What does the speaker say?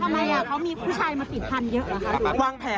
ไม่ได้ตั้งใจ